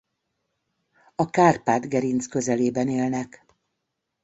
A Kárpát-gerinc közelében élnek.